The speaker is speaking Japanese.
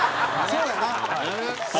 そうやな。